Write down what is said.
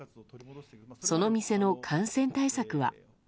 その店の感染対策は。